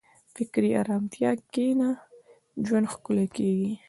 په فکري ارامتیا کښېنه، ژوند ښکلی کېږي.